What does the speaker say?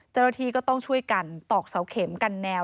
เจ้าหน้าที่ก็ต้องช่วยกันตอกเสาเข็มกันแนว